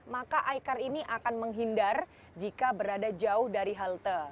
maka icar ini akan menghindar jika berada jauh dari halte